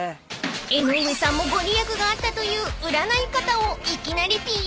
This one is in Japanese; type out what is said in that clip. ［江上さんも御利益があったという占い方を］